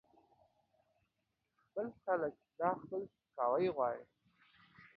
سپک خلک دا خپل سپکاوی غواړي